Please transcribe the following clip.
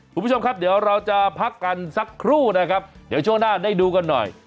คุณผู้ชมครับเดี๋ยวเราจะพักกันสักครู่นะครับเดี๋ยวช่วงหน้าได้ดูกันหน่อย